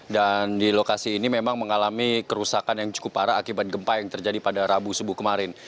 dan di lokasi ini memang mengalami kerusakan yang cukup parah akibat gempa yang terjadi pada rabu sebu kemarin